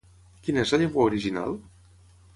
Quina és la llengua original?